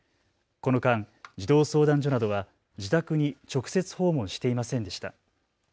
この間、児童相談所などは自宅に直接訪問していませんでした。